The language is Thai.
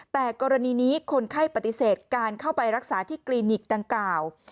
แต่กรณีนี้คนไข้ปฏิเสธการเข้าไปรักษาที่คลินิกดังกล่าว